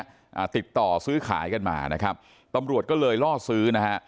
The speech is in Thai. อ่าติดต่อซื้อขายกันมานะครับตำรวจก็เลยล่อซื้อนะฮะ